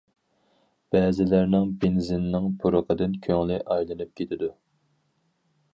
بەزىلەرنىڭ بېنزىننىڭ پۇرىقىدىن كۆڭلى ئاينىپ كېتىدۇ.